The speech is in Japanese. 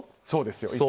そうですよ。